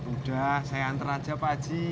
udah saya anter aja pak haji